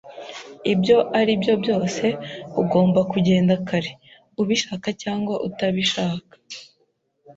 Ibyo ari byo byose, ugomba kugenda kare, ubishaka cyangwa utabishaka.